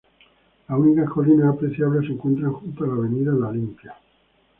Las únicas colinas apreciables se encuentran junto a la avenida La Limpia.